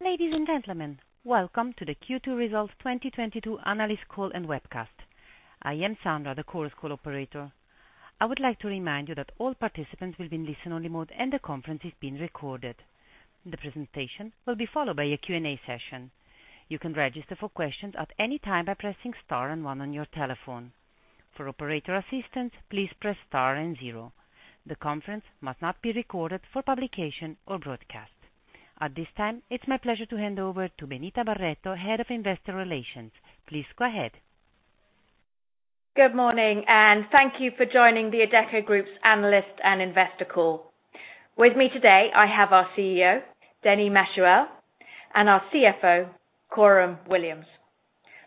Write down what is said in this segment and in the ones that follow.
Ladies and gentlemen, welcome to the Q2 Results 2022 analyst call and webcast. I am Sandra, the Chorus Call operator. I would like to remind you that all participants will be in listen-only mode, and the conference is being recorded. The presentation will be followed by a Q&A session. You can register for questions at any time by pressing Star and One on your telephone. For operator assistance, please press Star and Zero. The conference must not be recorded for publication or broadcast. At this time, it's my pleasure to hand over to Benita Barretto, Head of Investor Relations. Please go ahead. Good morning and thank you for joining the Adecco Group's analyst and investor call. With me today, I have our CEO, Denis Machuel, and our CFO, Coram Williams.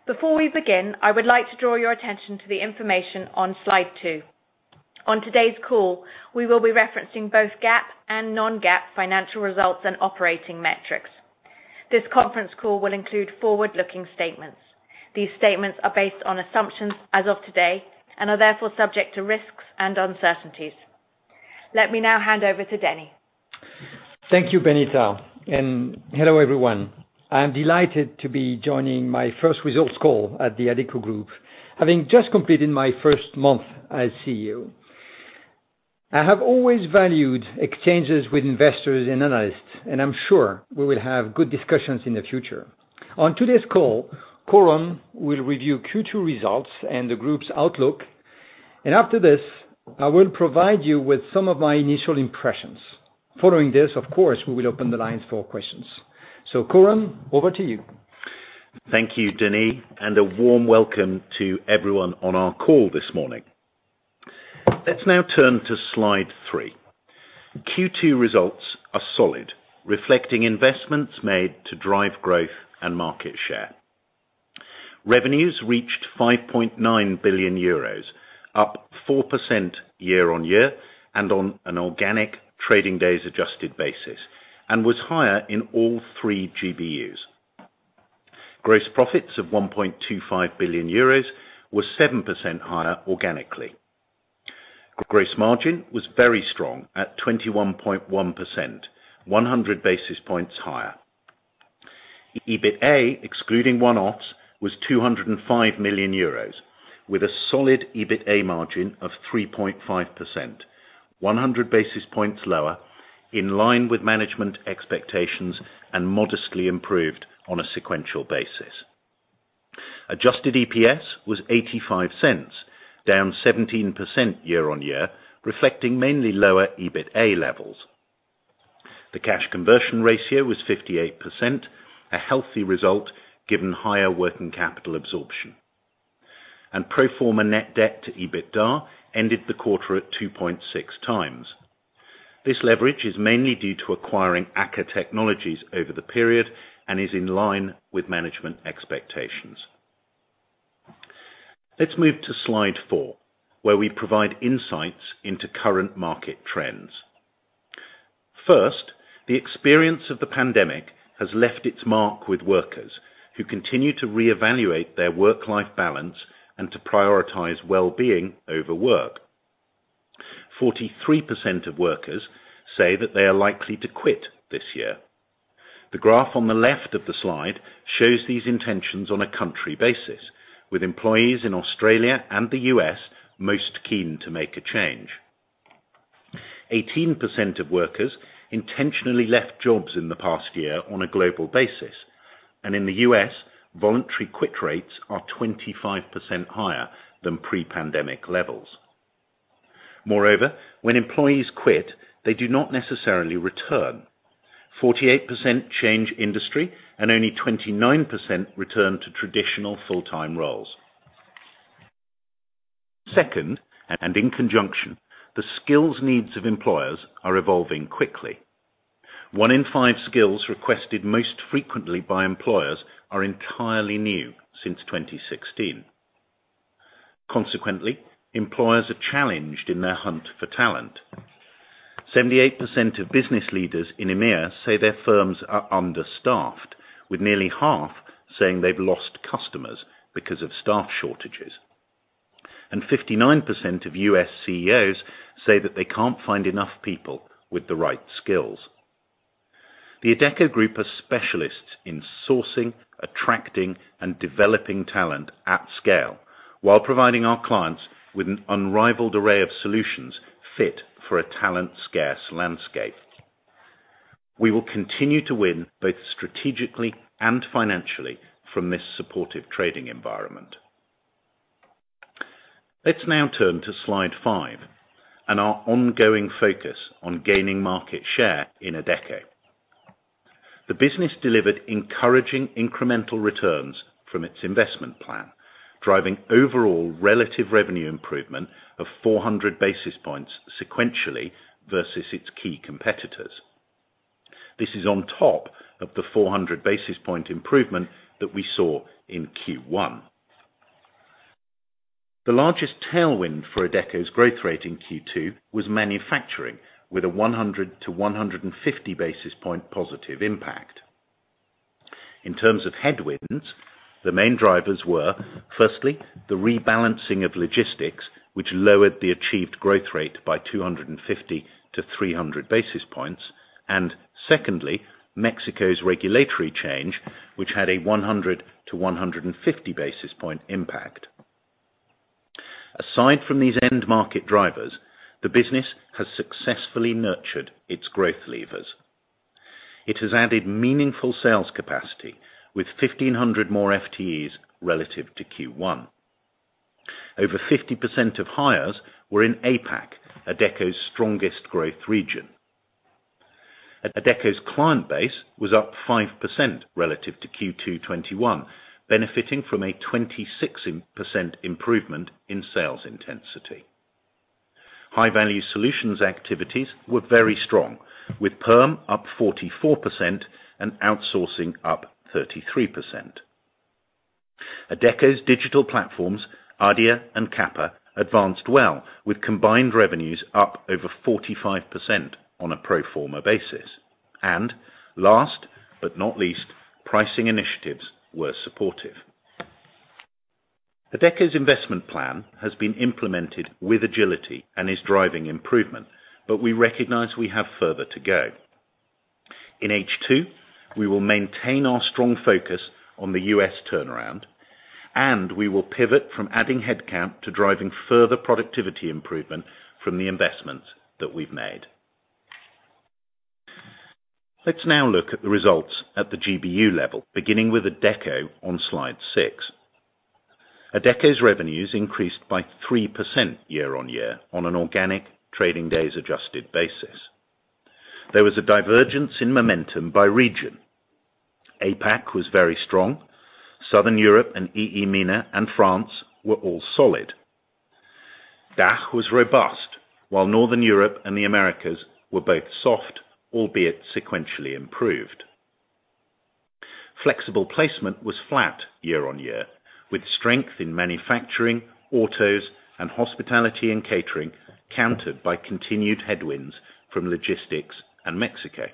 Before we begin, I would like to draw your attention to the information on slide two. On today's call, we will be referencing both GAAP and non-GAAP financial results and operating metrics. This conference call will include forward-looking statements. These statements are based on assumptions as of today and are therefore subject to risks and uncertainties. Let me now hand over to Denis. Thank you, Benita, and hello, everyone. I am delighted to be joining my first results call at the Adecco Group, having just completed my first month as CEO. I have always valued exchanges with investors and analysts, and I'm sure we will have good discussions in the future. On today's call, Coram will review Q2 results and the Group's outlook, and after this, I will provide you with some of my initial impressions. Following this, of course, we will open the lines for questions. Coram, over to you. Thank you, Denis, and a warm welcome to everyone on our call this morning. Let's now turn to slide three. Q2 results are solid, reflecting investments made to drive growth and market share. Revenues reached 5.9 billion euros, up 4% year-on-year and on an organic trading days adjusted basis and was higher in all three GBUs. Gross profits of 1.25 billion euros was 7% higher organically. Gross margin was very strong at 21.1%, 100 basis points higher. EBITA, excluding one-offs, was 205 million euros, with a solid EBITA margin of 3.5%, 100 basis points lower, in line with management expectations and modestly improved on a sequential basis. Adjusted EPS was 0.85, down 17% year-on-year, reflecting mainly lower EBITA levels. The cash conversion ratio was 58%, a healthy result given higher working capital absorption. Pro forma net debt to EBITDA ended the quarter at 2.6 times. This leverage is mainly due to acquiring AKKA Technologies over the period and is in line with management expectations. Let's move to slide 4, where we provide insights into current market trends. First, the experience of the pandemic has left its mark with workers who continue to reevaluate their work-life balance and to prioritize well-being over work. 43% of workers say that they are likely to quit this year. The graph on the left of the slide shows these intentions on a country basis, with employees in Australia and the US most keen to make a change. 18% of workers intentionally left jobs in the past year on a global basis, and in the U.S., voluntary quit rates are 25% higher than pre-pandemic levels. Moreover, when employees quit, they do not necessarily return. 48% change industry and only 29% return to traditional full-time roles. Second, and in conjunction, the skills needs of employers are evolving quickly. One in five skills requested most frequently by employers are entirely new since 2016. Consequently, employers are challenged in their hunt for talent. 78% of business leaders in EMEA say their firms are understaffed, with nearly half saying they've lost customers because of staff shortages. 59% of U.S. CEOs say that they can't find enough people with the right skills. The Adecco Group are specialists in sourcing, attracting, and developing talent at scale while providing our clients with an unrivaled array of solutions fit for a talent-scarce landscape. We will continue to win both strategically and financially from this supportive trading environment. Let's now turn to slide 5 and our ongoing focus on gaining market share in Adecco. The business delivered encouraging incremental returns from its investment plan, driving overall relative revenue improvement of 400 basis points sequentially versus its key competitors. This is on top of the 400 basis points improvement that we saw in Q1. The largest tailwind for Adecco's growth rate in Q2 was manufacturing with a 100 to 150 basis point positive impact. In terms of headwinds, the main drivers were, firstly, the rebalancing of logistics, which lowered the achieved growth rate by 250 to 300 basis points. Secondly, Mexico's regulatory change, which had a 100 to 150 basis point impact. Aside from these end-market drivers, the business has successfully nurtured its growth levers. It has added meaningful sales capacity with 1,500 more FTEs relative to Q1. Over 50% of hires were in APAC, Adecco's strongest growth region. Adecco's client base was up 5% relative to Q2 2021, benefiting from a 26% improvement in sales intensity. High-value solutions activities were very strong, with PERM up 44% and outsourcing up 33%. Adecco's digital platforms, Adia and QAPA, advanced well, with combined revenues up over 45% on a pro forma basis. Last but not least, pricing initiatives were supportive. Adecco's investment plan has been implemented with agility and is driving improvement, but we recognize we have further to go. In H2, we will maintain our strong focus on the U.S. turnaround, and we will pivot from adding headcount to driving further productivity improvement from the investments that we've made. Let's now look at the results at the GBU level, beginning with Adecco on slide 6. Adecco's revenues increased by 3% year-on-year on an organic trading days adjusted basis. There was a divergence in momentum by region. APAC was very strong, Southern Europe and EMEA and France were all solid. DACH was robust, while Northern Europe and the Americas were both soft, albeit sequentially improved. Flexible placement was flat year-on-year, with strength in manufacturing, autos, and hospitality and catering countered by continued headwinds from logistics and Mexico.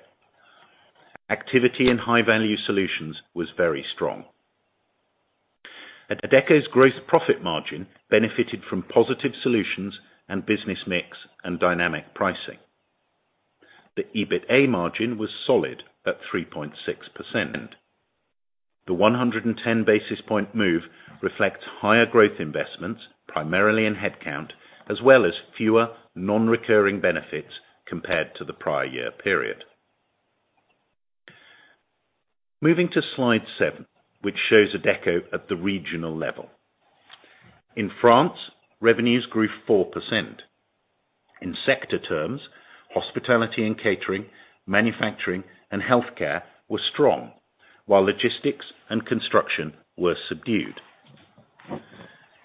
Activity in high-value solutions was very strong. Adecco's gross profit margin benefited from positive solutions and business mix and dynamic pricing. The EBITA margin was solid at 3.6%. The 110 basis point move reflects higher growth investments, primarily in headcount, as well as fewer non-recurring benefits compared to the prior year period. Moving to slide 7, which shows Adecco at the regional level. In France, revenues grew 4%. In sector terms, hospitality and catering, manufacturing, and healthcare were strong, while logistics and construction were subdued.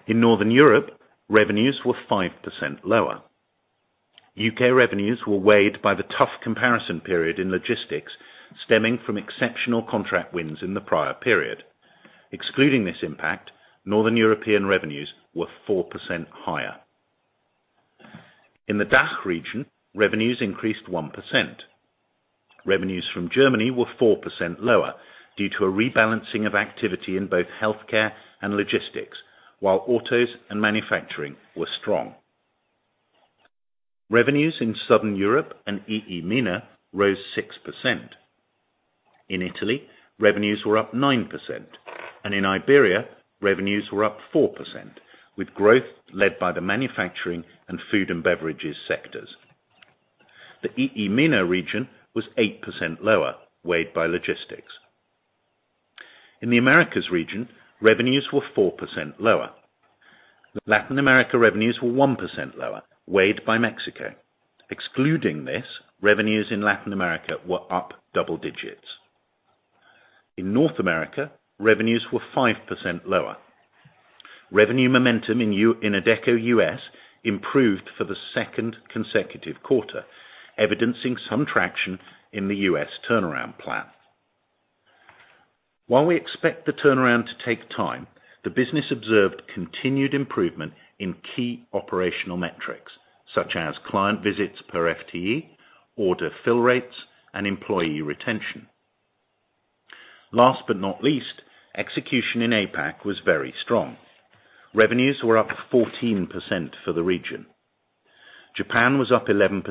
In Northern Europe, revenues were 5% lower. U.K. revenues were weighed by the tough comparison period in logistics stemming from exceptional contract wins in the prior period. Excluding this impact, Northern European revenues were 4% higher. In the DACH region, revenues increased 1%. Revenues from Germany were 4% lower due to a rebalancing of activity in both healthcare and logistics, while autos and manufacturing were strong. Revenues in Southern Europe and EMEA rose 6%. In Italy, revenues were up 9%, and in Iberia, revenues were up 4%, with growth led by the manufacturing and food and beverages sectors. The EMEA region was 8% lower, weighed by logistics. In the Americas region, revenues were 4% lower. Latin America revenues were 1% lower, weighed by Mexico. Excluding this, revenues in Latin America were up double digits. In North America, revenues were 5% lower. Revenue momentum in Adecco U.S. improved for the second consecutive quarter, evidencing some traction in the U.S. turnaround plan. While we expect the turnaround to take time, the business observed continued improvement in key operational metrics, such as client visits per FTE, order fill rates, and employee retention. Last but not least, execution in APAC was very strong. Revenues were up 14% for the region. Japan was up 11%,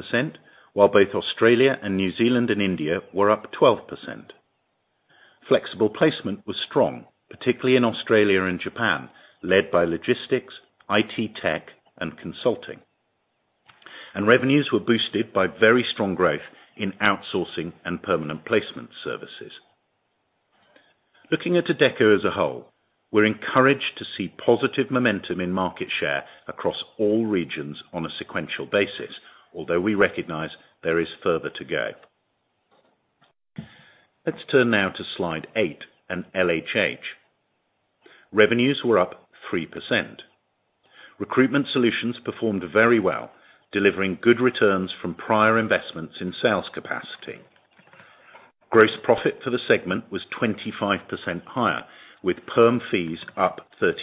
while both Australia and New Zealand and India were up 12%. Flexible placement was strong, particularly in Australia and Japan, led by logistics, IT tech, and consulting. Revenues were boosted by very strong growth in outsourcing and permanent placement services. Looking at Adecco as a whole, we're encouraged to see positive momentum in market share across all regions on a sequential basis, although we recognize there is further to go. Let's turn now to slide eight and LHH. Revenues were up 3%. Recruitment Solutions performed very well, delivering good returns from prior investments in sales capacity. Gross profit for the segment was 25% higher, with PERM fees up 38%.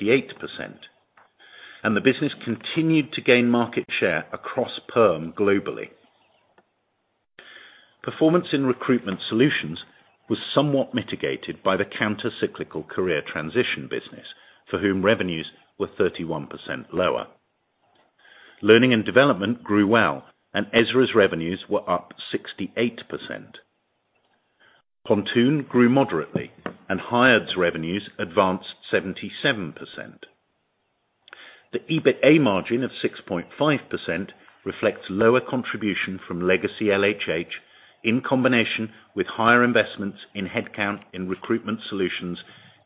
The business continued to gain market share across PERM globally. Performance in Recruitment Solutions was somewhat mitigated by the counter-cyclical Career Transition business, for whom revenues were 31% lower. Learning and Development grew well, and Ezra's revenues were up 68%. Pontoon grew moderately, and Hired's revenues advanced 77%. The EBITA margin of 6.5% reflects lower contribution from legacy LHH in combination with higher investments in headcount in Recruitment Solutions,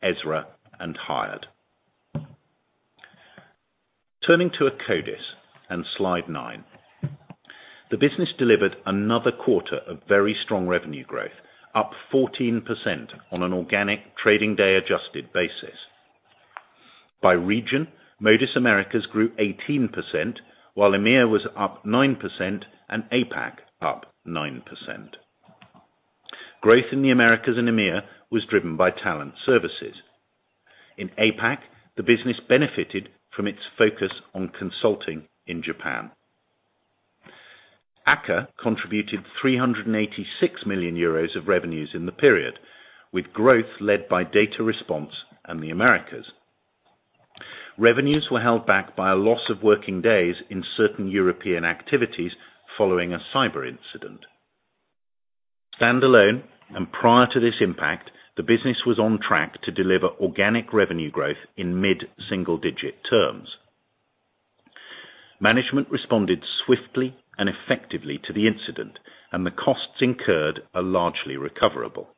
Ezra, and Hired. Turning to Akkodis and slide nine. The business delivered another quarter of very strong revenue growth, up 14% on an organic trading day adjusted basis. By region, Modis Americas grew 18%, while EMEA was up 9% and APAC up 9%. Growth in the Americas and EMEA was driven by Talent Services. In APAC, the business benefited from its focus on consulting in Japan. AKKA contributed 386 million euros of revenues in the period, with growth led by Data Respons and the Americas. Revenues were held back by a loss of working days in certain European activities following a cyber incident. Standalone, and prior to this impact, the business was on track to deliver organic revenue growth in mid-single-digit terms. Management responded swiftly and effectively to the incident, and the costs incurred are largely recoverable.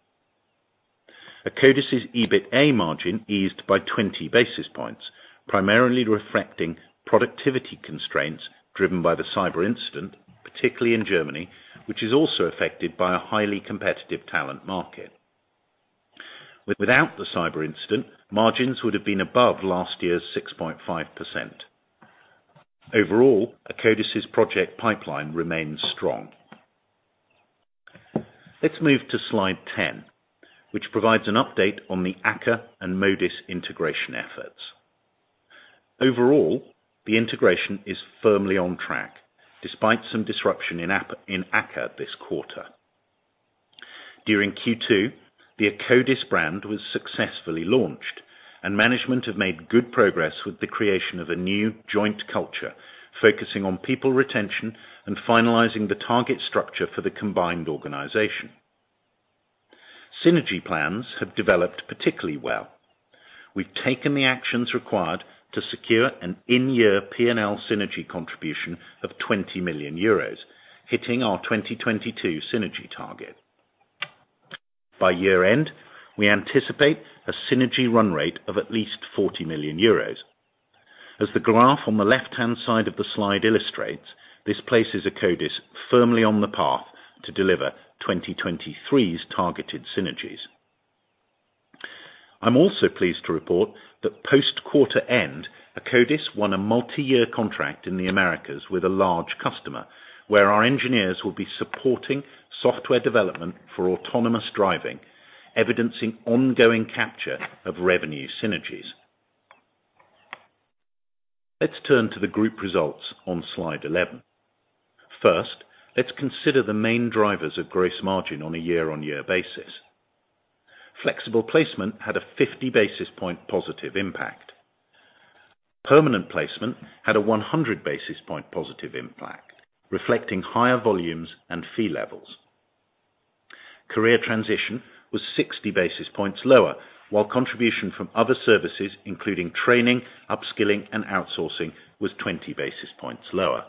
Akkodis' EBITA margin eased by 20 basis points, primarily reflecting productivity constraints driven by the cyber incident, particularly in Germany, which is also affected by a highly competitive talent market. Without the cyber incident, margins would have been above last year's 6.5%. Overall, Akkodis' project pipeline remains strong. Let's move to slide 10, which provides an update on the AKKA and Modis integration efforts. Overall, the integration is firmly on track, despite some disruption in AKKA this quarter. During Q2, the Akkodis brand was successfully launched and management have made good progress with the creation of a new joint culture focusing on people retention and finalizing the target structure for the combined organization. Synergy plans have developed particularly well. We've taken the actions required to secure an in-year P&L synergy contribution of 20 million euros, hitting our 2022 synergy target. By year-end, we anticipate a synergy run rate of at least 40 million euros. As the graph on the left-hand side of the slide illustrates, this places Akkodis firmly on the path to deliver 2023's targeted synergies. I'm also pleased to report that post-quarter end, Akkodis won a multi-year contract in the Americas with a large customer, where our engineers will be supporting software development for autonomous driving, evidencing ongoing capture of revenue synergies. Let's turn to the group results on Slide 11. First, let's consider the main drivers of gross margin on a year-on-year basis. Flexible Placement had a 50 basis point positive impact. Permanent Placement had a 100 basis point positive impact, reflecting higher volumes and fee levels. Career Transition was 60 basis points lower, while contribution from other services, including training, upskilling, and outsourcing, was 20 basis points lower.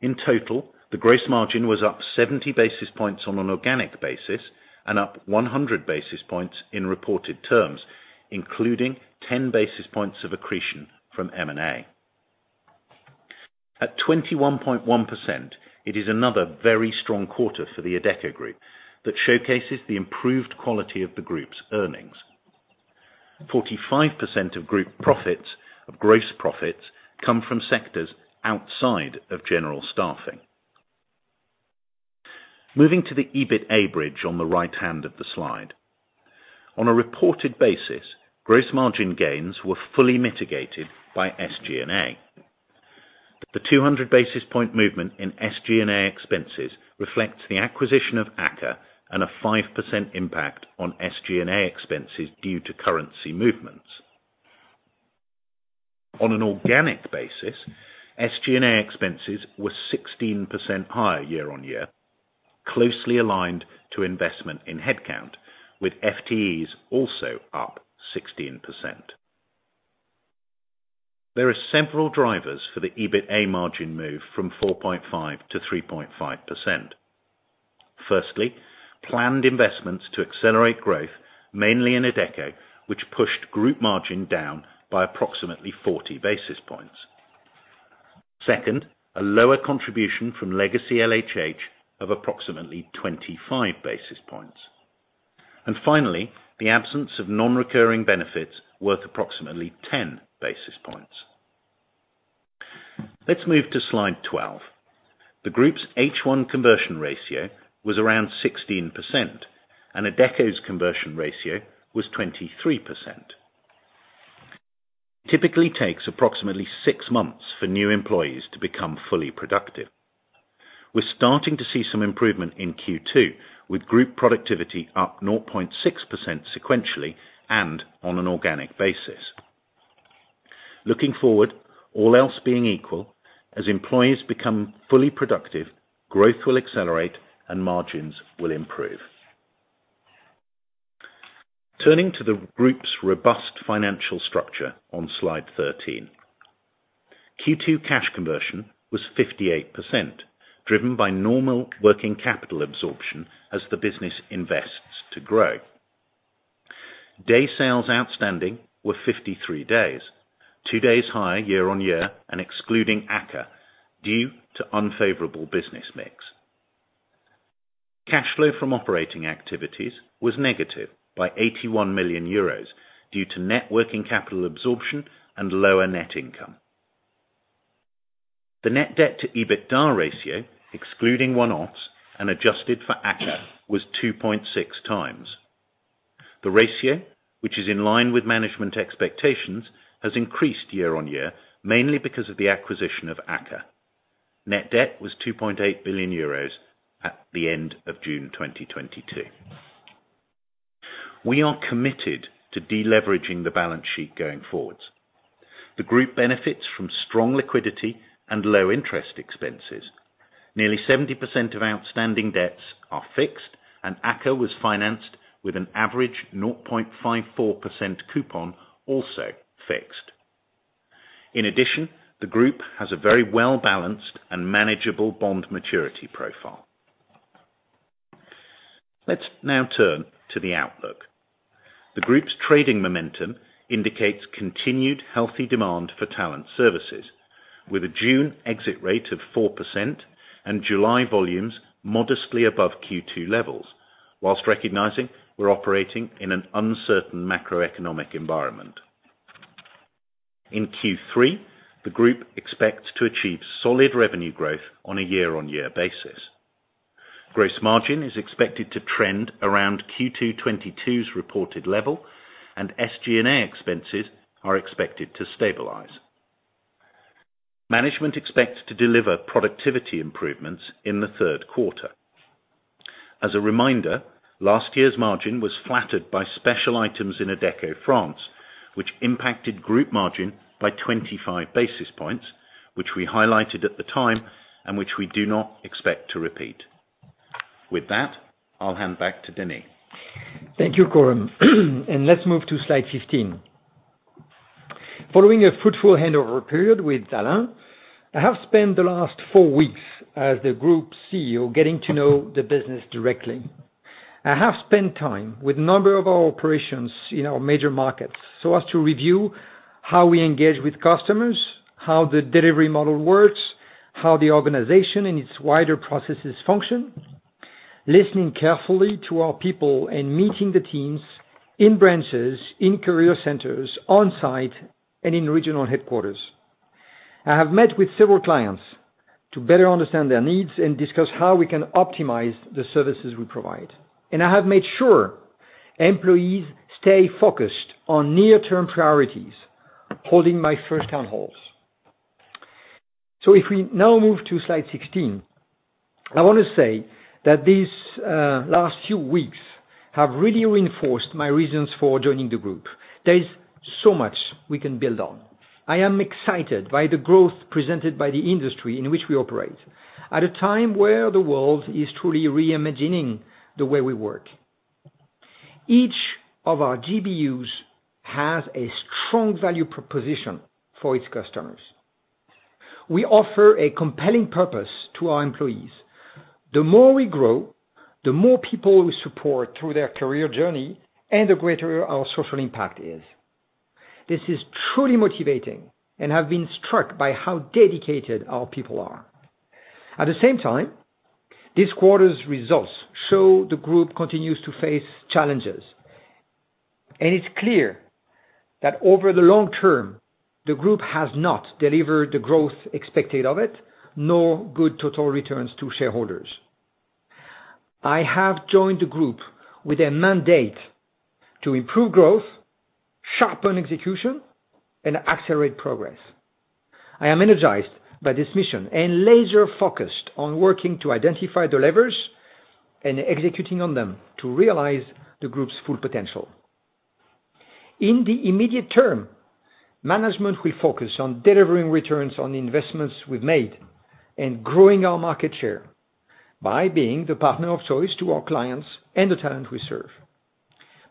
In total, the gross margin was up 70 basis points on an organic basis and up 100 basis points in reported terms, including 10 basis points of accretion from M&A. At 21.1%, it is another very strong quarter for the Adecco Group that showcases the improved quality of the group's earnings. 45% of group profits of gross profits come from sectors outside of general staffing. Moving to the EBITA bridge on the right hand of the slide. On a reported basis, gross margin gains were fully mitigated by SG&A. The 200 basis point movement in SG&A expenses reflects the acquisition of AKKA and a 5% impact on SG&A expenses due to currency movements. On an organic basis, SG&A expenses were 16% higher year-on-year, closely aligned to investment in headcount, with FTEs also up 16%. There are several drivers for the EBITA margin move from 4.5 to 3.5%. Firstly, planned investments to accelerate growth, mainly in Adecco, which pushed group margin down by approximately 40 basis points. Second, a lower contribution from legacy LHH of approximately 25 basis points. Finally, the absence of non-recurring benefits worth approximately 10 basis points. Let's move to slide 12. The group's H1 conversion ratio was around 16%, and Adecco's conversion ratio was 23%. It typically takes approximately six months for new employees to become fully productive. We're starting to see some improvement in Q2 with group productivity up 0.6% sequentially and on an organic basis. Looking forward, all else being equal, as employees become fully productive, growth will accelerate and margins will improve. Turning to the group's robust financial structure on slide 13. Q2 cash conversion was 58%, driven by normal working capital absorption as the business invests to grow. Day sales outstanding were 53 days, 2 days higher year-on-year and excluding AKKA due to unfavorable business mix. Cash flow from operating activities was negative by 81 million euros due to net working capital absorption and lower net income. The net debt to EBITDA ratio, excluding one-offs and adjusted for AKKA, was 2.6 times. The ratio, which is in line with management expectations, has increased year-on-year, mainly because of the acquisition of AKKA. Net debt was 2.8 billion euros at the end of June 2022. We are committed to de-leveraging the balance sheet going forward. The group benefits from strong liquidity and low interest expenses. Nearly 70% of outstanding debts are fixed, and Adecco was financed with an average 0.54% coupon, also fixed. In addition, the group has a very well balanced and manageable bond maturity profile. Let's now turn to the outlook. The group's trading momentum indicates continued healthy demand for talent services with a June exit rate of 4% and July volumes modestly above Q2 levels, while recognizing we're operating in an uncertain macroeconomic environment. In Q3, the group expects to achieve solid revenue growth on a year-on-year basis. Gross margin is expected to trend around Q2 2022's reported level and SG&A expenses are expected to stabilize. Management expects to deliver productivity improvements in the Q3. As a reminder, last year's margin was flattered by special items in Adecco France, which impacted group margin by 25 basis points, which we highlighted at the time and which we do not expect to repeat. With that, I'll hand back to Denis. Thank you, Coram. Let's move to slide 15. Following a fruitful handover period with Alain, I have spent the last four weeks as the Group CEO getting to know the business directly. I have spent time with a number of our operations in our major markets so as to review how we engage with customers, how the delivery model works, how the organization and its wider processes function, listening carefully to our people and meeting the teams in branches, in career centers, on site, and in regional headquarters. I have met with several clients to better understand their needs and discuss how we can optimize the services we provide. I have made sure employees stay focused on near-term priorities, holding my first town halls. If we now move to slide 16, I want to say that these last few weeks have really reinforced my reasons for joining the group. There is so much we can build on. I am excited by the growth presented by the industry in which we operate, at a time where the world is truly reimagining the way we work. Each of our GBUs has a strong value proposition for its customers. We offer a compelling purpose to our employees. The more we grow, the more people we support through their career journey and the greater our social impact is. This is truly motivating and I've been struck by how dedicated our people are. At the same time, this quarter's results show the group continues to face challenges, and it's clear that over the long term, the group has not delivered the growth expected of it, nor good total returns to shareholders. I have joined the group with a mandate to improve growth, sharpen execution, and accelerate progress. I am energized by this mission and laser focused on working to identify the levers and executing on them to realize the group's full potential. In the immediate term, management will focus on delivering returns on the investments we've made and growing our market share by being the partner of choice to our clients and the talent we serve.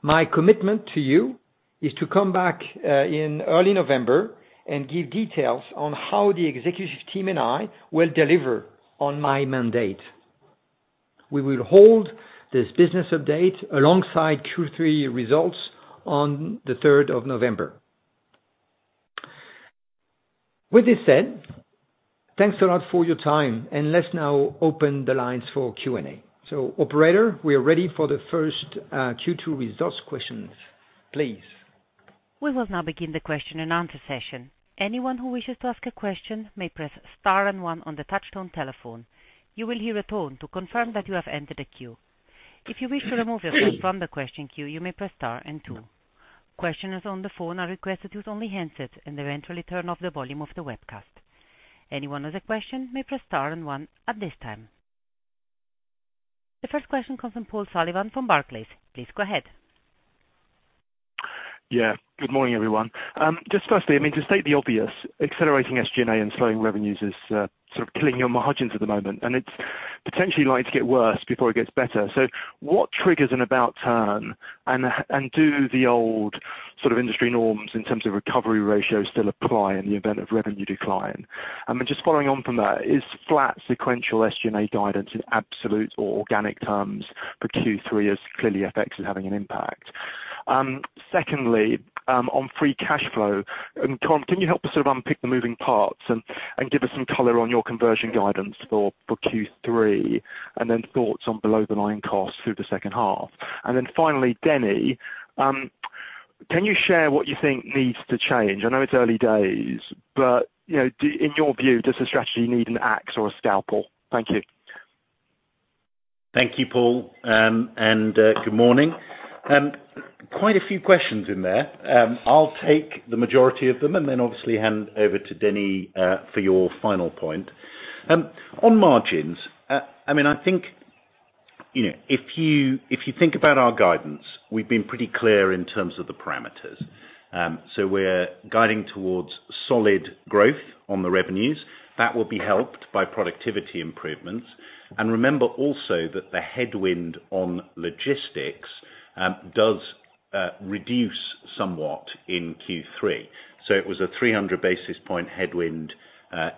My commitment to you is to come back in early November and give details on how the executive team and I will deliver on my mandate. We will hold this business update alongside Q3 results on the third of November. With this said, thanks a lot for your time, and let's now open the lines for Q&A. Operator, we are ready for the first Q2 results questions, please. We will now begin the question and answer session. Anyone who wishes to ask a question may press star and one on the touchtone telephone. You will hear a tone to confirm that you have entered a queue. If you wish to remove yourself from the question queue, you may press star and two. Questioners on the phone are requested to use only handsets and eventually turn off the volume of the webcast. Anyone with a question may press star and one at this time. The first question comes from Paul Sullivan from Barclays. Please go ahead. Yeah. Good morning, everyone. Just firstly, I mean, to state the obvious, accelerating SG&A and slowing revenues is sort of killing your margins at the moment, and it's potentially like to get worse before it gets better. What triggers an about turn, and do the old sort of industry norms in terms of recovery ratios still apply in the event of revenue decline? Just following on from that, is flat sequential SG&A guidance in absolute or organic terms for Q3 as clearly FX is having an impact? Secondly, on free cash flow, and Tom, can you help us sort of unpick the moving parts and give us some color on your conversion guidance for Q3, and then thoughts on below-the-line costs through the H2. Finally, Denis, can you share what you think needs to change? I know it's early days, but, you know, in your view, does the strategy need an axe or a scalpel? Thank you. Thank you, Paul, and good morning. Quite a few questions in there. I'll take the majority of them and then obviously hand over to Denis for your final point. On margins, I mean, I think, you know, if you think about our guidance, we've been pretty clear in terms of the parameters. We're guiding towards solid growth on the revenues that will be helped by productivity improvements. Remember also that the headwind on logistics does reduce somewhat in Q3. It was a 300 basis point headwind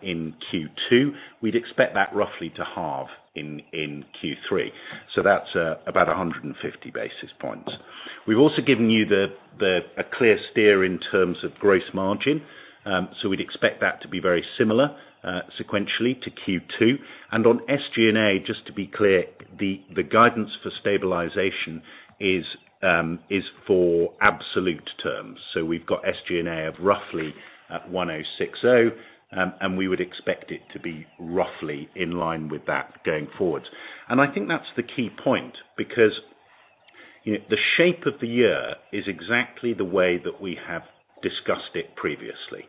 in Q2. We'd expect that roughly to halve in Q3. That's about 150 basis points. We've also given you a clear steer in terms of gross margin, so we'd expect that to be very similar sequentially to Q2. On SG&A, just to be clear, the guidance for stabilization is for absolute terms. We've got SG&A of roughly 1,060, and we would expect it to be roughly in line with that going forward. I think that's the key point, because, you know, the shape of the year is exactly the way that we have discussed it previously.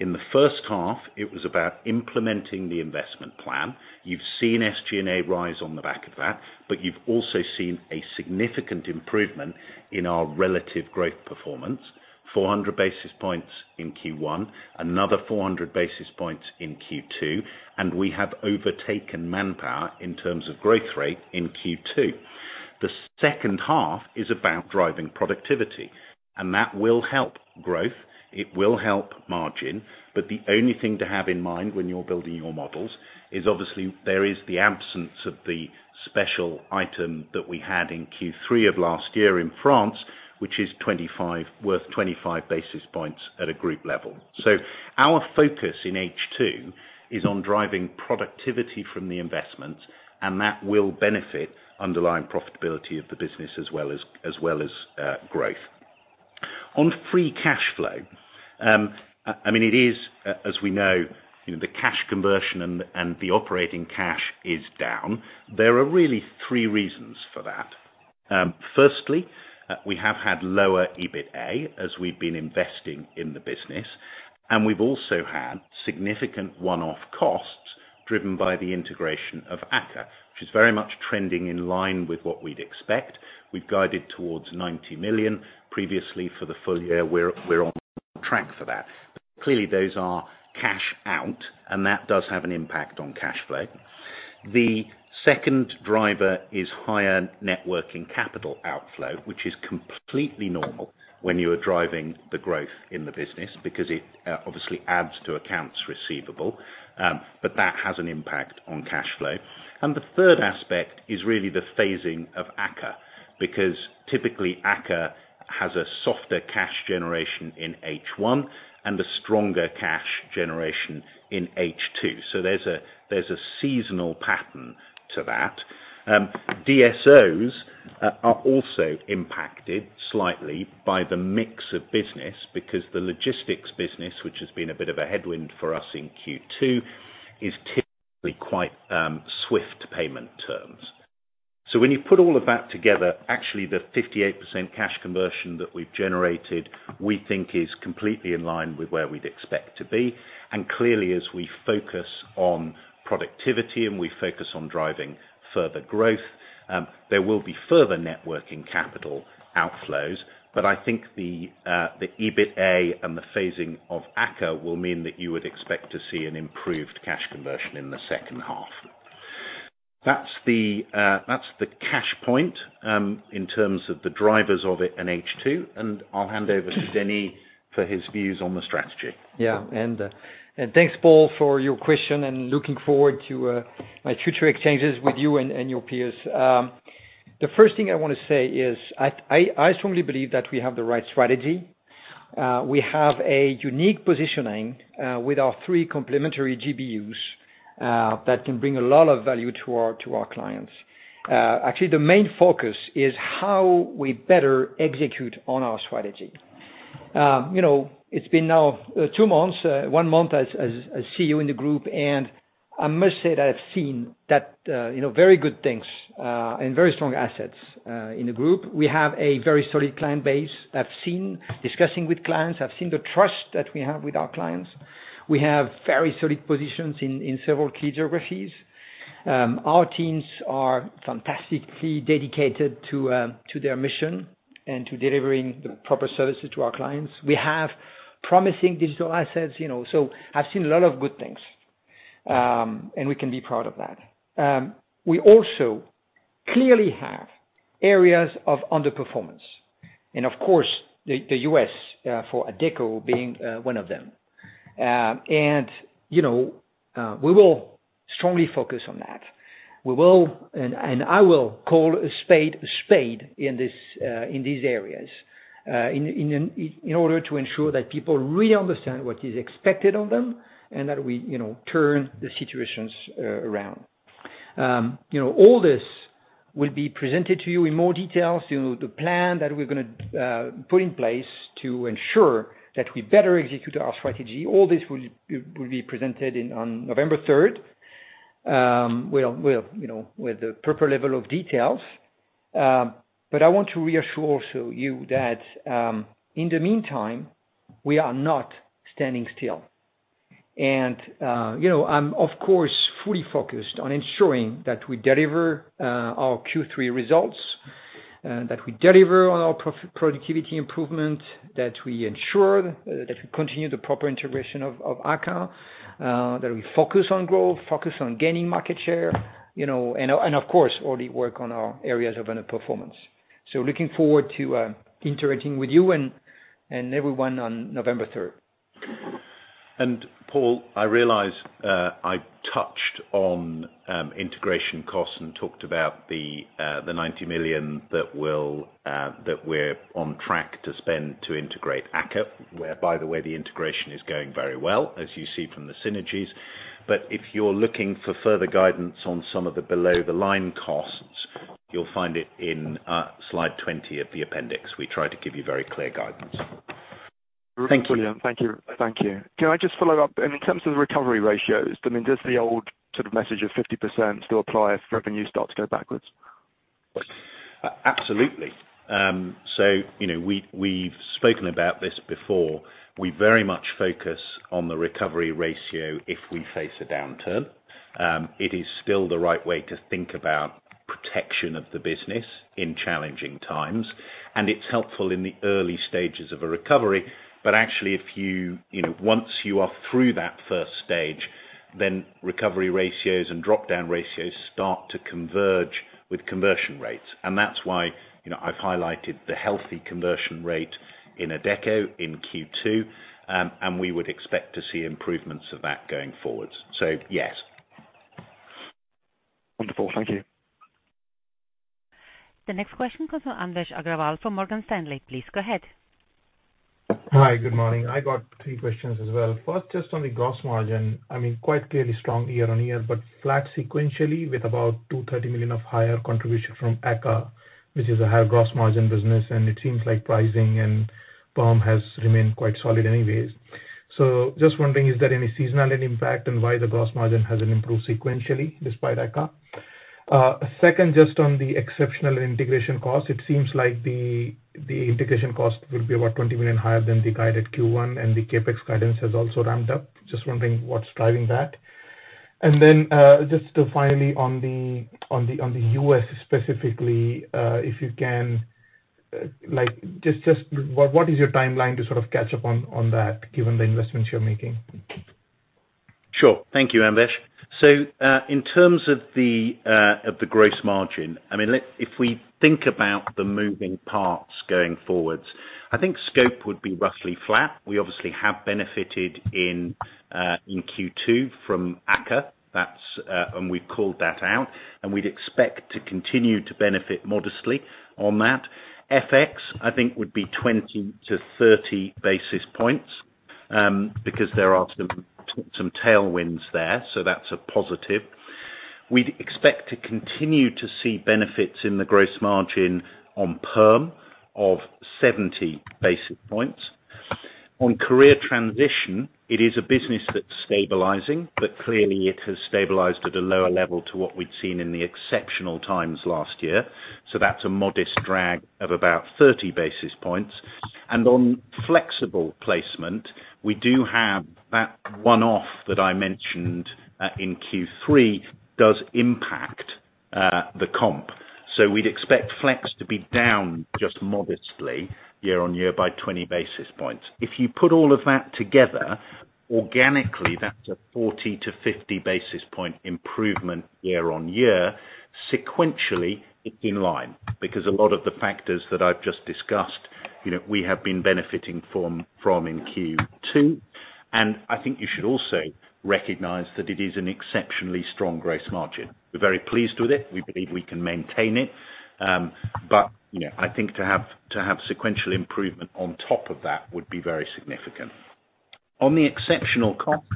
In the H1, it was about implementing the investment plan. You've seen SG&A rise on the back of that, but you've also seen a significant improvement in our relative growth performance. 400 basis points in Q1, another 400 basis points in Q2, and we have overtaken Manpower in terms of growth rate in Q2. The H2 is about driving productivity, and that will help growth, it will help margin, but the only thing to have in mind when you're building your models is obviously there is the absence of the special item that we had in Q3 of last year in France, which is 25, worth 25 basis points at a group level. So, our focus in H2 is on driving productivity from the investments, and that will benefit underlying profitability of the business as well as growth. On free cash flow, I mean, it is, as we know, you know, the cash conversion and the operating cash is down. There are really three reasons for that. Firstly, we have had lower EBITA as we've been investing in the business, and we've also had significant one-off costs driven by the integration of AKKA, which is very much trending in line with what we'd expect. We've guided towards 90 million previously for the full year. We're on track for that. Clearly, those are cash out, and that does have an impact on cash flow. The second driver is higher net working capital outflow, which is completely normal when you are driving the growth in the business because it obviously adds to accounts receivable, but that has an impact on cash flow. The third aspect is really the phasing of AKKA, because typically AKKA has a softer cash generation in H1 and a stronger cash generation in H2. There's a seasonal pattern to that. DSOs are also impacted slightly by the mix of business because the logistics business, which has been a bit of a headwind for us in Q2, is typically quite swift payment terms. When you put all of that together, actually the 58% cash conversion that we've generated, we think is completely in line with where we'd expect to be. Clearly, as we focus on productivity and we focus on driving further growth, there will be further net working capital outflows, but I think the EBITA and the phasing of AKKA will mean that you would expect to see an improved cash conversion in the H2. That's the cash point in terms of the drivers of it in H2, and I'll hand over to Denis for his views on the strategy. Thanks, Paul, for your question, and looking forward to my future exchanges with you and your peers. The first thing I wanna say is I strongly believe that we have the right strategy. We have a unique positioning with our three complementary GBUs that can bring a lot of value to our clients. Actually, the main focus is how we better execute on our strategy. You know, it's been now 2 months, 1 month as CEO in the group, and I must say that I've seen that, you know, very good things and very strong assets in the group. We have a very solid client base. I've seen discussing with clients, I've seen the trust that we have with our clients. We have very solid positions in several key geographies. Our teams are fantastically dedicated to their mission and to delivering the proper services to our clients. We have promising digital assets, you know, so I've seen a lot of good things. We can be proud of that. We also clearly have areas of underperformance and of course the US for Adecco being one of them. You know, we will strongly focus on that. I will call a spade a spade in these areas in order to ensure that people really understand what is expected of them and that we, you know, turn the situations around. You know, all this will be presented to you in more details. You know, the plan that we're gonna put in place to ensure that we better execute our strategy, all this will be presented on November third. You know, with the proper level of details. I want to reassure also you that in the meantime, we are not standing still. You know, I'm of course fully focused on ensuring that we deliver our Q3 results, that we deliver on our productivity improvement, that we ensure that we continue the proper integration of AKKA, that we focus on growth, focus on gaining market share, you know, and of course all the work on our areas of underperformance. Looking forward to interacting with you and everyone on November 3. Paul, I realize I touched on integration costs and talked about the 90 million that we're on track to spend to integrate AKKA, whereby the way, the integration is going very well as you see from the synergies. If you are looking for further guidance on some of the below the line costs, you'll find it in slide 20 of the appendix. We try to give you very clear guidance. Thank you. Thank you. Thank you. Can I just follow up in terms of the recovery ratios? I mean, does the old sort of message of 50% still apply if revenue starts to go backwards? Absolutely. You know, we've spoken about this before. We very much focus on the recovery ratio if we face a downturn. It is still the right way to think about protection of the business in challenging times, and it's helpful in the early stages of a recovery. Actually, if you know, once you are through that first stage, then recovery ratios and dropdown ratios start to converge with conversion rates. That's why, you know, I've highlighted the healthy conversion rate in Adecco in Q2. We would expect to see improvements of that going forward. Yes. Wonderful. Thank you. The next question comes from Anvesh Agrawal from Morgan Stanley. Please go ahead. Hi. Good morning. I got three questions as well. First, just on the gross margin, I mean, quite clearly strong year-on-year, but flat sequentially with about 230 million of higher contribution from AKKA, which is a higher gross margin business, and it seems like pricing and PERM has remained quite solid anyways. Just wondering, is there any seasonality impact and why the gross margin hasn't improved sequentially despite AKKA? Second, just on the exceptional integration cost, it seems like the integration cost will be about 20 million higher than the guided Q1 and the CapEx guidance has also ramped up. Just wondering what's driving that. Just finally on the US specifically, if you can like, just what is your timeline to sort of catch up on that given the investments you're making? Sure. Thank you Anvesh. In terms of the gross margin, I mean, if we think about the moving parts going forward, I think scope would be roughly flat. We obviously have benefited in Q2 from AKKA. That's, and we've called that out, and we'd expect to continue to benefit modestly on that. FX, I think would be 20 to 30 basis points, because there are some tailwinds there, so that's a positive. We'd expect to continue to see benefits in the gross margin on PERM of 70 basis points. On Career Transition, it is a business that's stabilizing, but clearly it has stabilized at a lower level to what we'd seen in the exceptional times last year. That's a modest drag of about 30 basis points. On flexible placement, we do have that one-off that I mentioned in Q3 does impact the comp. We'd expect flex to be down just modestly year-on-year by 20 basis points. If you put all of that together organically, that's a 40 to 50 basis point improvement year-on-year sequentially in line, because a lot of the factors that I've just discussed, you know, we have been benefiting from in Q2, and I think you should also recognize that it is an exceptionally strong gross margin. We're very pleased with it. We believe we can maintain it. But you know, I think to have sequential improvement on top of that would be very significant. On the exceptional cost,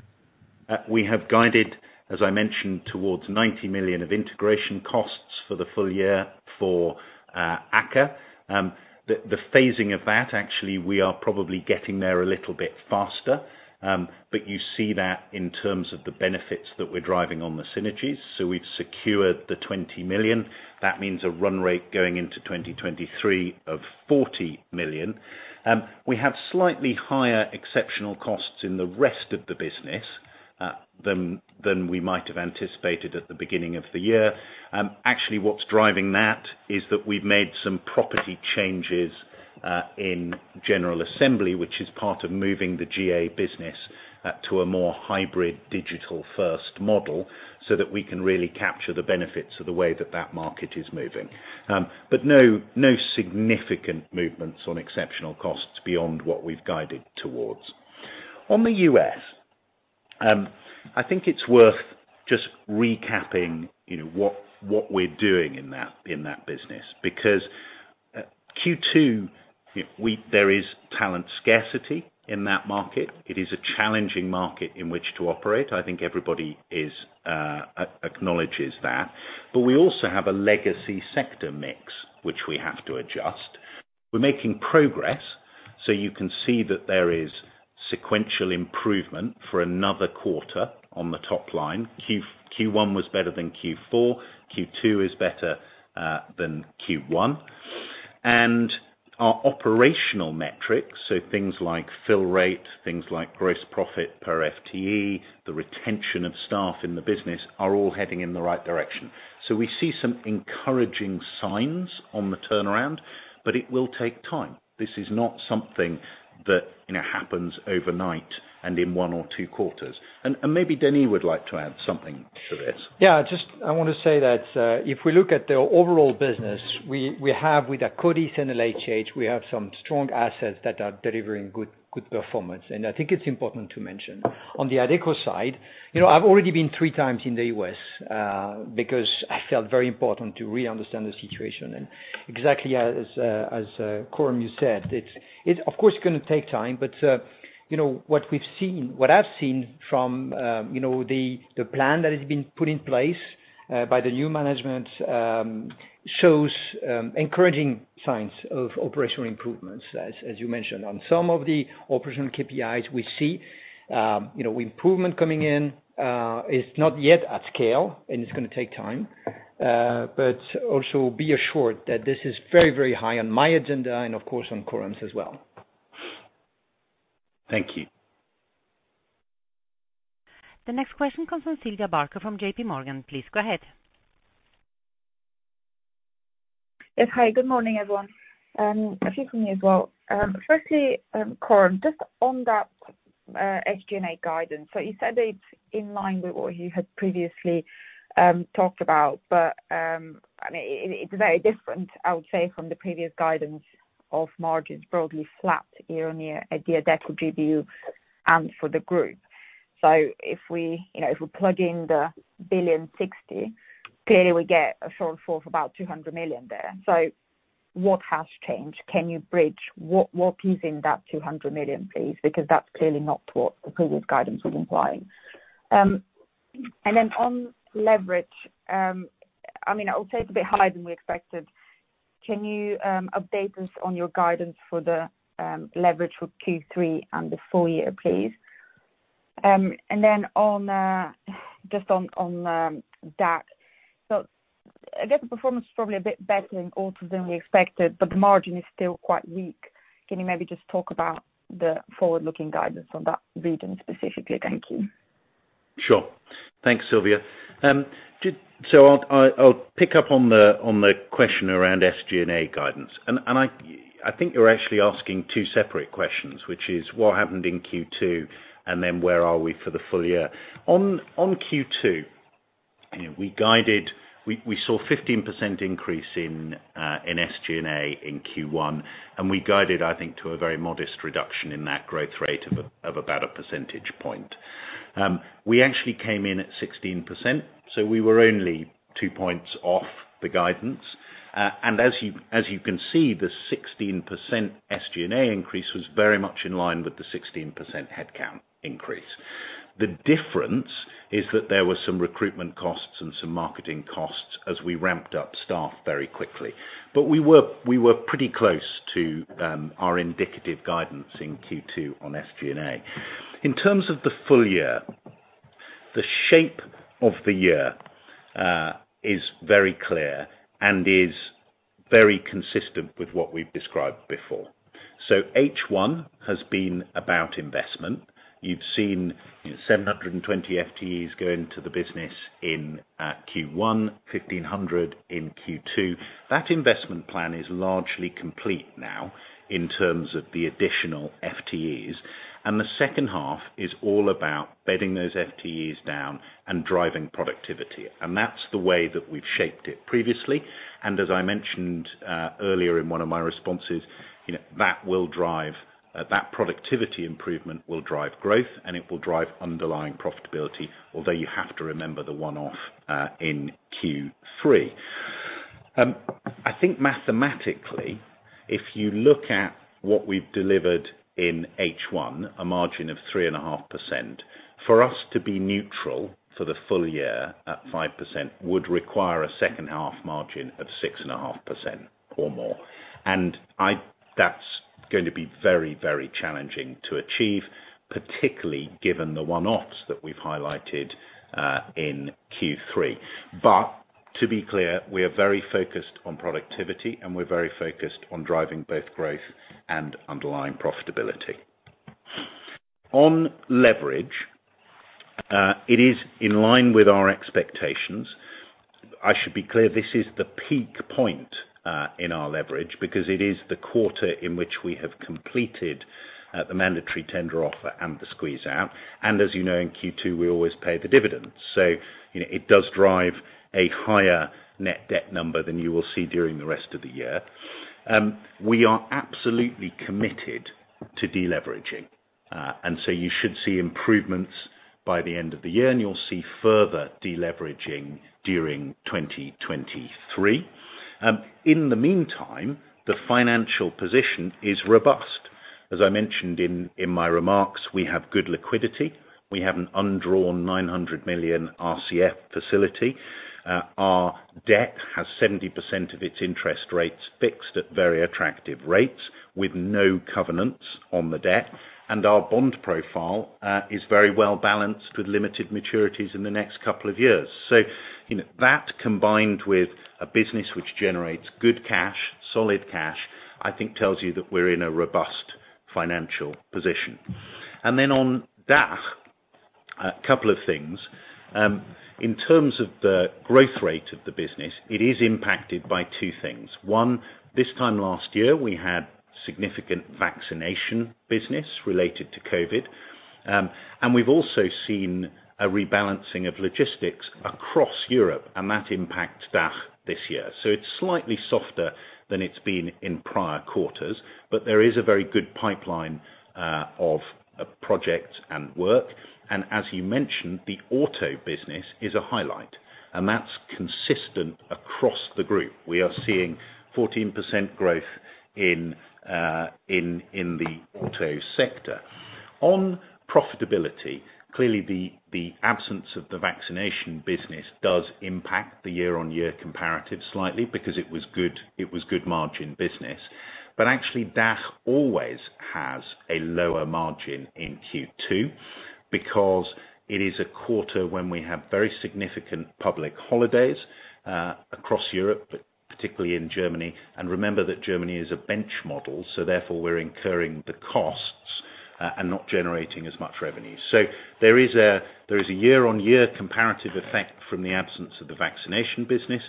we have guided, as I mentioned, towards 90 million of integration costs for the full year for AKKA. The phasing of that, actually, we are probably getting there a little bit faster. You see that in terms of the benefits that we're driving on the synergies. We've secured the 20 million. That means a run rate going into 2023 of 40 million. We have slightly higher exceptional costs in the rest of the business than we might have anticipated at the beginning of the year. Actually, what's driving that is that we've made some property changes in General Assembly, which is part of moving the GA business to a more hybrid digital first model so that we can really capture the benefits of the way that that market is moving. No significant movements on exceptional costs beyond what we've guided towards. On the U.S., I think it's worth just recapping, you know, what we're doing in that business, because Q2, there is talent scarcity in that market. It is a challenging market in which to operate. I think everybody acknowledges that. But we also have a legacy sector mix, which we have to adjust. We're making progress, so you can see that there is sequential improvement for another quarter on the top line. Q1 was better than Q4, Q2 is better than Q1. Our operational metrics, so things like fill rate, things like gross profit per FTE, the retention of staff in the business, are all heading in the right direction. We see some encouraging signs on the turnaround, but it will take time. This is not something that, you know, happens overnight and in one or two quarters. Maybe Denis would like to add something to this. I want to say that if we look at the overall business, we have with Akkodis and LHH some strong assets that are delivering good performance. I think it's important to mention. On the Adecco side, you know, I've already been three times in the U.S., because I felt very important to really understand the situation. Exactly as Coram you said, it of course gonna take time. You know, what we've seen, what I've seen from the plan that has been put in place by the new management shows encouraging signs of operational improvements, as you mentioned. On some of the operational KPIs we see improvement coming in. It's not yet at scale, and it's gonna take time. Also be assured that this is very, very high on my agenda and of course, on Coram's as well. Thank you. The next question comes from Silvia Barker from JP Morgan. Please go ahead. Yes. Hi, good morning, everyone. A few from me as well. Firstly, Coram, just on that, SG&A guidance. You said it's in line with what you had previously talked about, but I mean, it's very different, I would say, from the previous guidance of margins broadly flat year-over-year at the Adecco GBU and for the group. If we, you know, if we plug in the 1.06 billion, clearly we get a shortfall of about 200 million there. What has changed? Can you bridge what is in that 200 million, please? Because that's clearly not what the previous guidance was implying. Then on leverage, I mean, I would say it's a bit higher than we expected. Can you update us on your guidance for the leverage for Q3 and the full year, please? And then just on DACH. I guess the performance is probably a bit better overall than we expected, but the margin is still quite weak. Can you maybe just talk about the forward-looking guidance on that region specifically? Thank you. Sure. Thanks, Silvia. I'll pick up on the question around SG&A guidance. I think you're actually asking two separate questions, which is what happened in Q2, and then where are we for the full year. On Q2, you know, we saw 15% increase in SG&A in Q1, and we guided, I think, to a very modest reduction in that growth rate of about a percentage point. We actually came in at 16%, so we were only 2 points off the guidance. And as you can see, the 16% SG&A increase was very much in line with the 16% headcount increase. The difference is that there was some recruitment costs and some marketing costs as we ramped up staff very quickly. We were pretty close to our indicative guidance in Q2 on SG&A. In terms of the full year, the shape of the year is very clear and is very consistent with what we've described before. H1 has been about investment. You've seen 720 FTEs go into the business in Q1, 1,500 in Q2. That investment plan is largely complete now in terms of the additional FTEs. The H2 is all about bedding those FTEs down and driving productivity. That's the way that we've shaped it previously. As I mentioned, earlier in one of my responses, you know, that will drive, that productivity improvement will drive growth and it will drive underlying profitability, although you have to remember the one-off in Q3. I think mathematically, if you look at what we've delivered in H1, a margin of 3.5%, for us to be neutral for the full year at 5% would require a second-half margin of 6.5% or more. That's going to be very, very challenging to achieve, particularly given the one-offs that we've highlighted in Q3. To be clear, we are very focused on productivity, and we're very focused on driving both growth and underlying profitability. On leverage, it is in line with our expectations. I should be clear, this is the peak point in our leverage because it is the quarter in which we have completed the mandatory tender offer and the squeeze out. As you know, in Q2, we always pay the dividends. You know, it does drive a higher net debt number than you will see during the rest of the year. We are absolutely committed to deleveraging, and so you should see improvements by the end of the year, and you'll see further deleveraging during 2023. In the meantime, the financial position is robust. As I mentioned in my remarks, we have good liquidity. We have an undrawn 900 million RCF facility. Our debt has 70% of its interest rates fixed at very attractive rates with no covenants on the debt. Our bond profile is very well balanced with limited maturities in the next couple of years. You know, that combined with a business which generates good cash, solid cash, I think tells you that we're in a robust financial position. On DACH, a couple of things. In terms of the growth rate of the business, it is impacted by two things. One, this time last year, we had significant vaccination business related to COVID. And we've also seen a rebalancing of logistics across Europe, and that impacts DACH this year. It's slightly softer than it's been in prior quarters, but there is a very good pipeline of projects and work. As you mentioned, the auto business is a highlight, and that's consistent across the group. We are seeing 14% growth in the auto sector. On profitability, clearly, the absence of the vaccination business does impact the year-on-year comparative slightly because it was good margin business. Actually, DACH always has a lower margin in Q2 because it is a quarter when we have very significant public holidays across Europe, but particularly in Germany. Remember that Germany is a bench model, so therefore we're incurring the costs and not generating as much revenue. There is a year-on-year comparative effect from the absence of the vaccination business,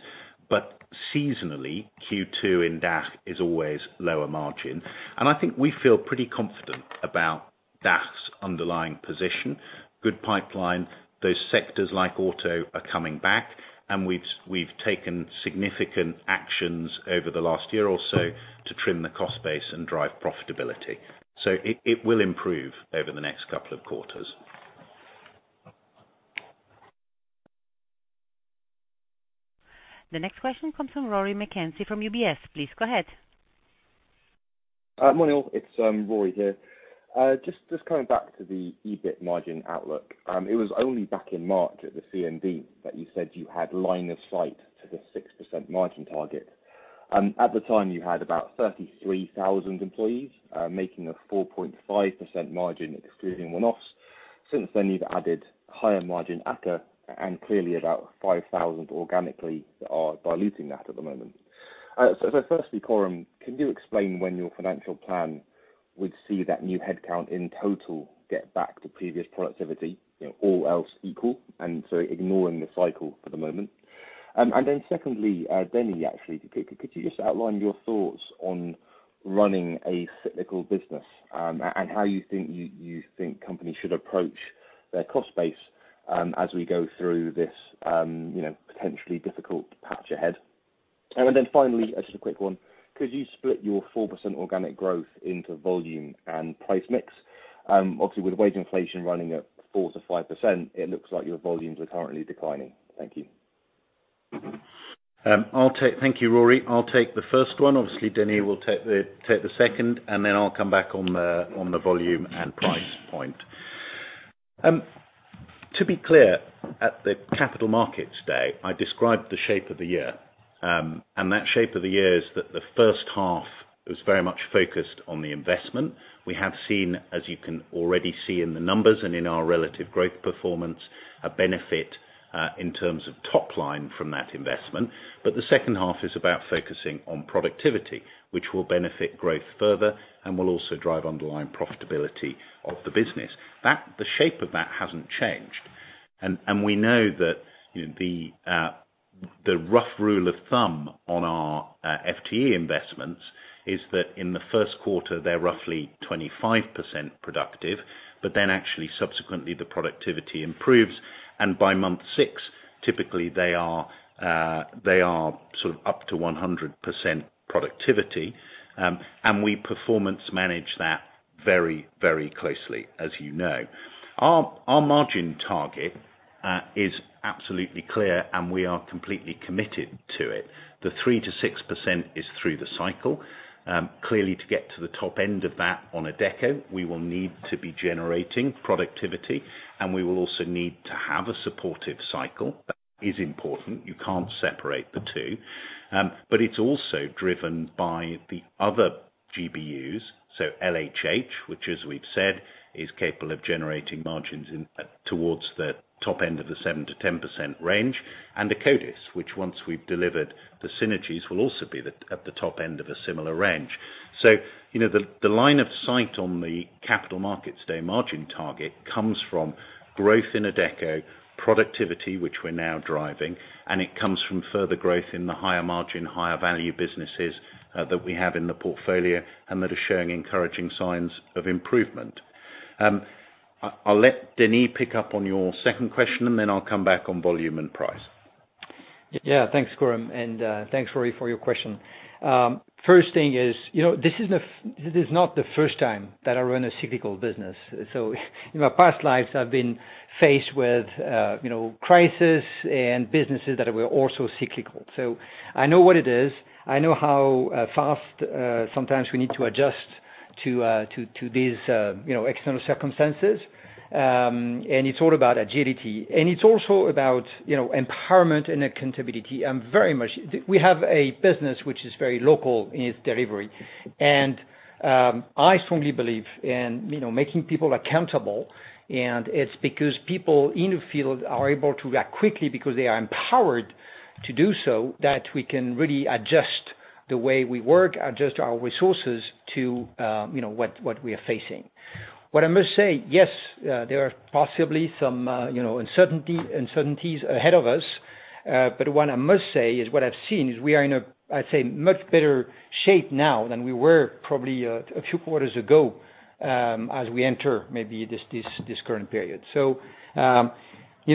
but seasonally, Q2 in DACH is always lower margin. I think we feel pretty confident about DACH's underlying position. Good pipeline. Those sectors like auto are coming back and we've taken significant actions over the last year or so to trim the cost base and drive profitability. It will improve over the next couple of quarters. The next question comes from Rory McKenzie, from UBS. Please go ahead. Good morning, all. It's Rory here. Just coming back to the EBIT margin outlook. It was only back in March at the CMD that you said you had line of sight to the 6% margin target. At the time, you had about 33,000 employees, making a 4.5% margin excluding one-offs. Since then, you've added higher margin AKKA and clearly about 5,000 organically that are diluting that at the moment. First, Coram, can you explain when your financial plan would see that new headcount in total get back to previous productivity, you know, all else equal, ignoring the cycle for the moment? Secondly, Denis, actually, could you just outline your thoughts on running a cyclical business, and how you think companies should approach their cost base, as we go through this, you know, potentially difficult patch ahead? Finally, just a quick one. Could you split your 4% organic growth into volume and price mix? Obviously with wage inflation running at 4 to 5%, it looks like your volumes are currently declining. Thank you. Thank you, Rory. I'll take the first one. Obviously, Denis will take the second, and then I'll come back on the volume and price point. To be clear, at the capital markets day, I described the shape of the year, and that shape of the year is that the H1 is very much focused on the investment. We have seen, as you can already see in the numbers and in our relative growth performance, a benefit in terms of top line from that investment. The H2 is about focusing on productivity, which will benefit growth further and will also drive underlying profitability of the business. That shape hasn't changed. We know that, you know, the rough rule of thumb on our FTE investments is that in the Q1, they're roughly 25% productive, but then actually subsequently the productivity improves. By month six, typically, they are sort of up to 100% productivity. We performance manage that very, very closely, as you know. Our margin target is absolutely clear, and we are completely committed to it. The 3 to 6% is through the cycle. Clearly to get to the top end of that on Adecco, we will need to be generating productivity, and we will also need to have a supportive cycle. That is important. You can't separate the two. It's also driven by the other GBUs. LHH, which as we've said, is capable of generating margins in towards the top end of the 7 to 10% range. Akkodis, which once we've delivered the synergies, will also be at the top end of a similar range. You know, the line of sight on the capital markets day margin target comes from growth in Adecco, productivity, which we're now driving, and it comes from further growth in the higher margin, higher value businesses that we have in the portfolio and that are showing encouraging signs of improvement. I'll let Denis pick up on your second question, and then I'll come back on volume and price. Yeah. Thanks, Coram, and thanks Rory, for your question. First thing is, you know, this is not the first time that I run a cyclical business. In my past lives, I've been faced with, you know, crisis and businesses that were also cyclical. I know what it is. I know how fast sometimes we need to adjust to these, you know, external circumstances. It's all about agility. It's also about, you know, empowerment and accountability. I'm very much. We have a business which is very local in its delivery. I strongly believe in, you know, making people accountable, and it's because people in the field are able to react quickly because they are empowered to do so that we can really adjust the way we work, adjust our resources to, you know, what we are facing. What I must say, yes, there are possibly some, you know, uncertainty, uncertainties ahead of us. But what I must say is, what I've seen is we are in a, I'd say, much better shape now than we were probably a few quarters ago, as we enter maybe this current period. You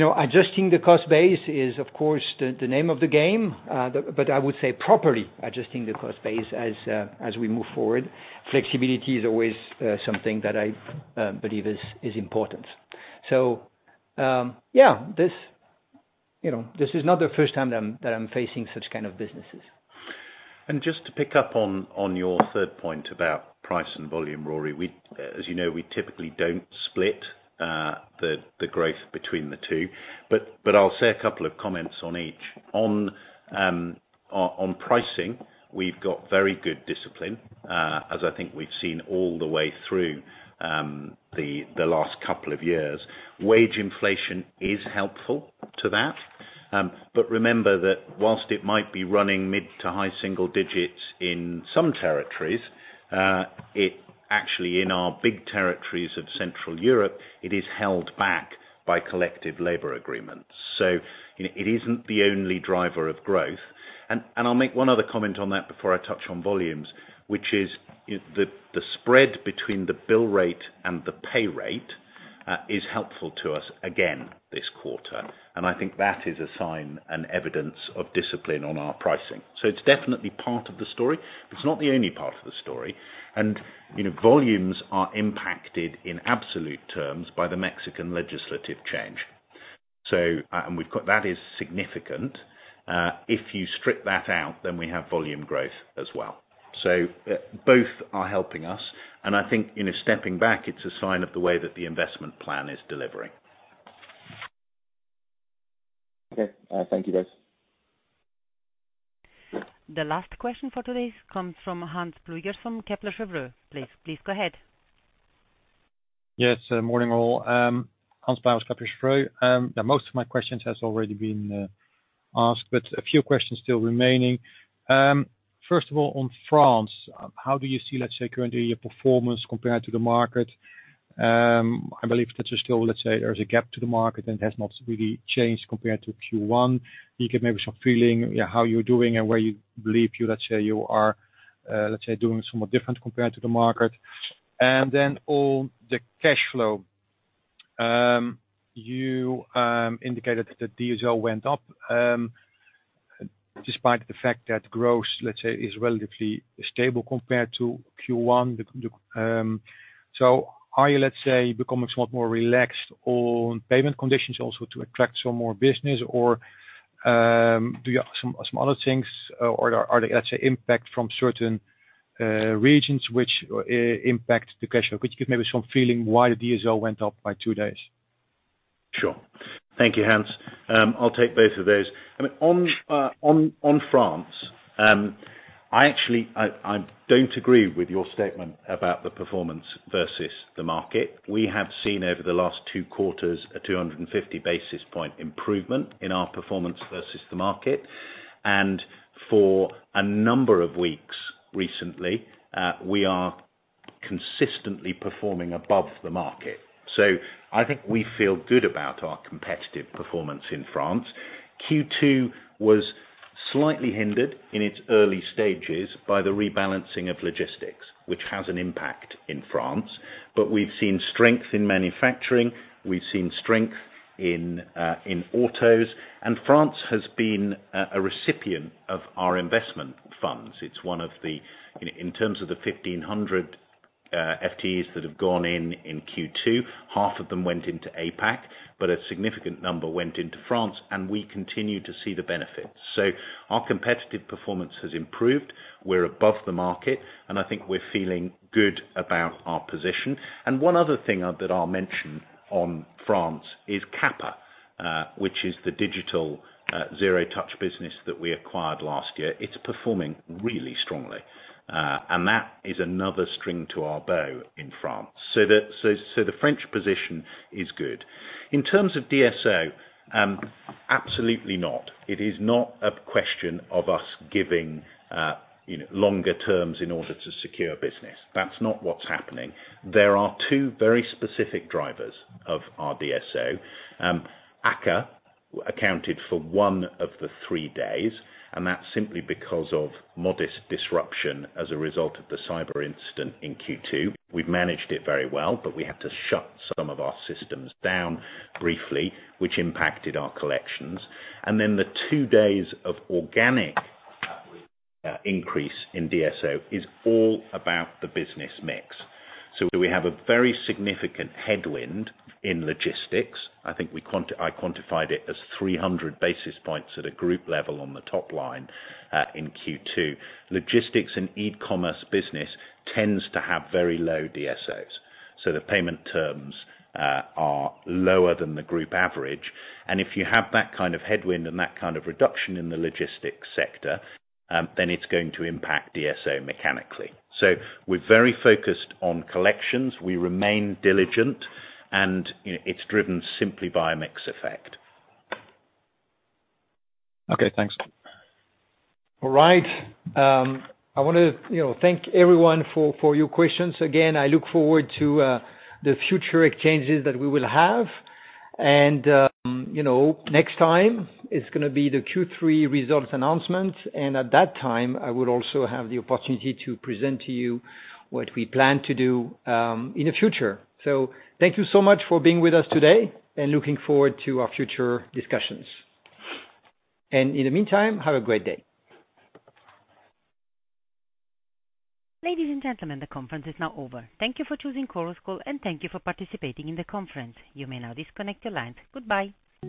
know, adjusting the cost base is, of course, the name of the game. But I would say properly adjusting the cost base as we move forward. Flexibility is always something that I believe is important. Yeah, this you know this is not the first time that I'm facing such kind of businesses. Just to pick up on your third point about price and volume, Rory, as you know, we typically don't split the growth between the two, but I'll say a couple of comments on each. On pricing, we've got very good discipline, as I think we've seen all the way through the last couple of years. Wage inflation is helpful to that. But remember that while it might be running mid to high single digits in some territories, it actually in our big territories of Central Europe, it is held back by collective labor agreements. You know, it isn't the only driver of growth. I'll make one other comment on that before I touch on volumes, which is the spread between the bill rate and the pay rate is helpful to us again this quarter. I think that is a sign and evidence of discipline on our pricing. It's definitely part of the story. It's not the only part of the story. You know, volumes are impacted in absolute terms by the Mexican legislative change. That is significant. If you strip that out, then we have volume growth as well. Both are helping us, and I think, you know, stepping back, it's a sign of the way that the investment plan is delivering. Okay. Thank you, guys. The last question for today comes from Hans Pluijgers from Kepler Cheuvreux. Please go ahead. Yes, morning all. Hans Pluijgers, Kepler Cheuvreux. Most of my questions has already been asked, but a few questions still remaining. First of all, on France, how do you see, let's say, currently your performance compared to the market? I believe that's still, let's say there's a gap to the market and has not really changed compared to Q1. You get maybe some feeling how you're doing and where you believe you, let's say, you are, let's say, doing somewhat different compared to the market. On the cash flow. You indicated that the DSO went up, despite the fact that growth, let's say, is relatively stable compared to Q1. Are you, let's say, becoming somewhat more relaxed on payment conditions also to attract some more business or, do you have some other things or are they, let's say, impact from certain regions which impact the cash flow? Could you give maybe some feeling why the DSO went up by two days? Sure. Thank you, Hans. I'll take both of those. I mean, on France, I actually don't agree with your statement about the performance versus the market. We have seen over the last two quarters a 250 basis point improvement in our performance versus the market. For a number of weeks recently, we are consistently performing above the market. I think we feel good about our competitive performance in France. Q2 was slightly hindered in its early stages by the rebalancing of logistics, which has an impact in France. We've seen strength in manufacturing. We've seen strength in autos. France has been a recipient of our investment funds. It's one of the. In terms of the 1,500 FTEs that have gone in Q2, half of them went into APAC, but a significant number went into France, and we continue to see the benefits. Our competitive performance has improved. We're above the market, and I think we're feeling good about our position. One other thing that I'll mention on France is QAPA, which is the digital zero touch business that we acquired last year. It's performing really strongly. That is another string to our bow in France. The French position is good. In terms of DSO, absolutely not. It is not a question of us giving, you know, longer terms in order to secure business. That's not what's happening. There are two very specific drivers of our DSO. AKKA accounted for one of the three days, and that's simply because of modest disruption as a result of the cyber incident in Q2. We've managed it very well, but we had to shut some of our systems down briefly, which impacted our collections. The two days of organic increase in DSO is all about the business mix. We have a very significant headwind in logistics. I quantified it as 300 basis points at a group level on the top line in Q2. Logistics and e-commerce business tends to have very low DSOs. The payment terms are lower than the group average. If you have that kind of headwind and that kind of reduction in the logistics sector, then it's going to impact DSO mechanically. We're very focused on collections. We remain diligent, and, you know, it's driven simply by a mix effect. Okay, thanks. All right. I wanna, you know, thank everyone for your questions. Again, I look forward to the future exchanges that we will have. You know, next time it's gonna be the Q3 results announcement. At that time, I will also have the opportunity to present to you what we plan to do in the future. Thank you so much for being with us today, and looking forward to our future discussions. In the meantime, have a great day. Ladies and gentlemen, the conference is now over. Thank you for choosing Chorus Call and thank you for participating in the conference. You may now disconnect your lines. Goodbye.